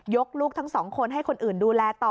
ลูกทั้งสองคนให้คนอื่นดูแลต่อ